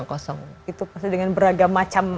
kosong itu pasti dengan beragam macam